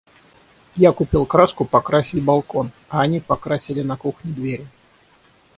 Я купил краску покрасить балкон, а они покрасили на кухне двери.